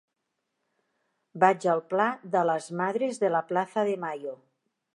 Vaig al pla de les Madres de la Plaza de Mayo.